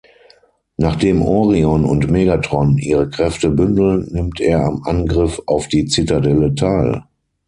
Nachdem Orion und Megatron ihre Kräfte bündeln, nimmt er am Angriff auf die Zitadelle teil.